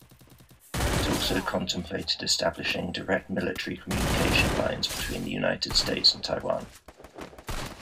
It also contemplated establishing direct military communication lines between the United States and Taiwan.